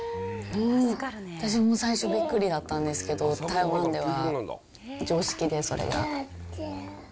私も最初、びっくりだったんですけど、台湾では常識で、それが。